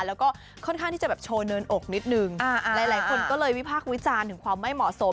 แล้วก็ค่อนข้างที่จะแบบโชว์เนินอกนิดนึงหลายคนก็เลยวิพากษ์วิจารณ์ถึงความไม่เหมาะสม